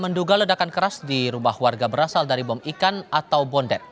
menduga ledakan keras di rumah warga berasal dari bom ikan atau bondet